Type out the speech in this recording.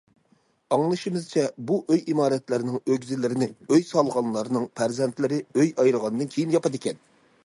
ئاڭلىشىمىزچە، بۇ ئۆي ئىمارەتلەرنىڭ ئۆگزىلىرىنى ئۆي سالغانلارنىڭ پەرزەنتلىرى ئۆي ئايرىغاندىن كېيىن ياپىدىكەن.